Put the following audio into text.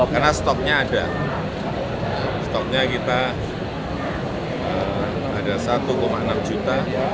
karena stoknya ada stoknya kita ada satu enam juta